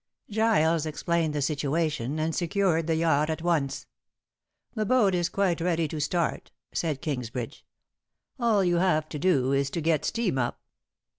Giles explained the situation, and secured the yacht at once. "The boat is quite ready to start," said Kingsbridge. "All you have to do is to get steam up.